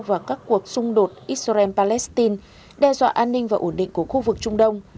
vào các cuộc xung đột israel palestine đe dọa an ninh và ổn định của khu vực trung đông